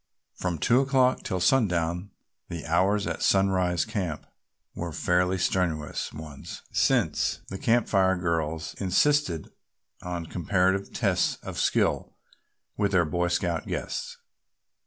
From two o'clock till sundown the hours at Sunrise, Camp were fairly strenuous ones since the Camp Fire girls insisted on comparative tests of skill with their Boy Scout guests.